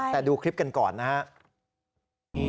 แต่ดูคลิปกันก่อนนะครับ